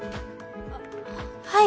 はい。